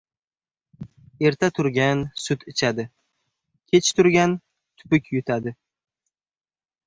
• Erta turgan sut ichadi, kech turgan tupuk yutadi.